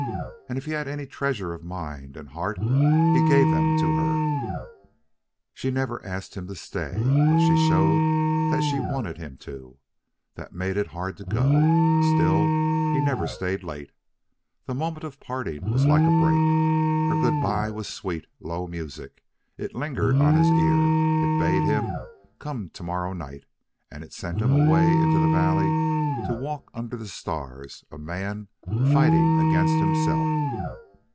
And if he had any treasures of mind and heart he gave them to her. She never asked him to stay, but she showed that she wanted him to. That made it hard to go. Still, he never stayed late. The moment of parting was like a break. Her good by was sweet, low music; it lingered on his ear; it bade him come to morrow night; and it sent him away into the valley to walk under the stars, a man fighting against himself.